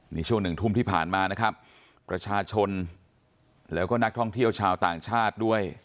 นี่ช่วงหนึ่งทุ่มที่ผ่านมานะครับประชาชนแล้วก็นักท่องเที่ยวชาวต่างชาติด้วย